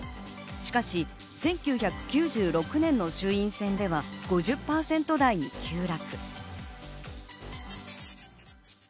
しかし１９９６年の衆院選では５０％台に急落。